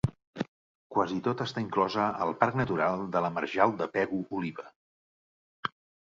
Quasi tota està inclosa al Parc Natural de la Marjal de Pego-Oliva.